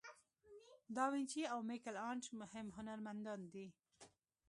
داوینچي او میکل آنژ مهم هنرمندان دي.